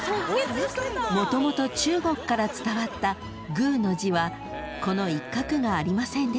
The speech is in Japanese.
［もともと中国から伝わった「ぐう」の字はこの一画がありませんでした］